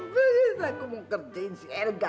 bisa aku mau kerjain si elga